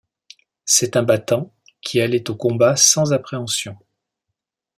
C'est un battant qui allait au combat sans appréhension.